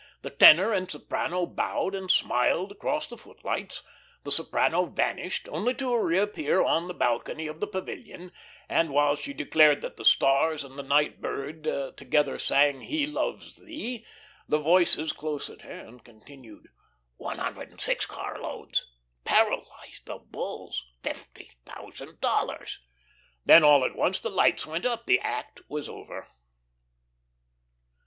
The tenor and soprano bowed and smiled across the footlights. The soprano vanished, only to reappear on the balcony of the pavilion, and while she declared that the stars and the night bird together sang "He loves thee," the voices close at hand continued: " one hundred and six carloads "" paralysed the bulls "" fifty thousand dollars " Then all at once the lights went up. The act was over.